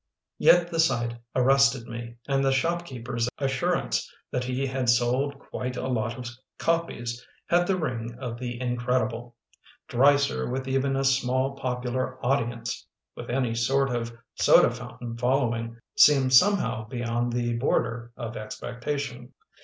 Yet the sight arrested me, and the shopkeep er's assurance that he had sold "quite a lot of copies" had the ring of the in credible. Dreiser with even a small popular audience — with any sort of soda fountain following — seems some how beyond the border of expectation.